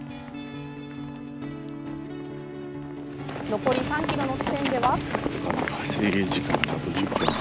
残り３ｋｍの地点では。